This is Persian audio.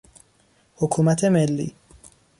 حکومت ملی